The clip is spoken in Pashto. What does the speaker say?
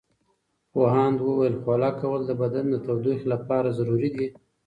پوهاند وویل خوله کول د بدن د تودوخې لپاره ضروري دي.